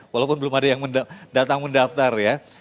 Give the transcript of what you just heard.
walaupun belum ada yang datang mendaftar ya